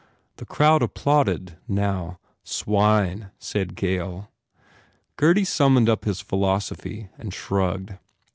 The crowd applauded, now. "Swine," said Gail. Gurdy summoned up his philosophy and shrugged.